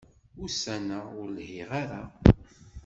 Ussan-a, ur lhiɣ ara.